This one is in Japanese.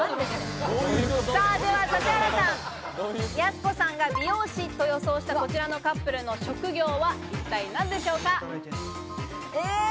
指原さん、やす子さんが美容師と予想したこちらのカップルの職業は一体何でしょうか？